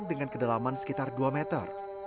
dengan kedalaman sekitar dua meter